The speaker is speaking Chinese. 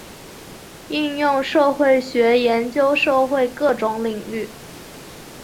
应用社会学研究社会各种领域。